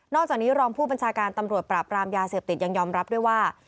จากนี้รองผู้บัญชาการตำรวจปราบรามยาเสพติดยังยอมรับด้วยว่า